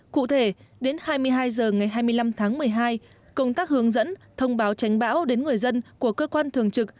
cụ thể đến hai mươi hai h ngày hai mươi năm tháng một mươi hai công tác hướng dẫn thông báo tránh bão đến người dân của cơ quan thường trực